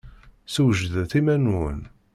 Swejdet iman-nwen!